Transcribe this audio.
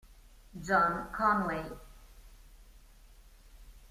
Jon Conway